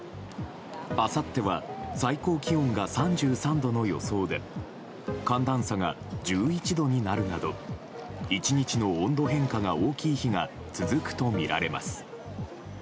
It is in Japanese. あさっては最高気温が３３度の予想で寒暖差が１１度になるなど１日の温度変化が大きい日が続くとみられます。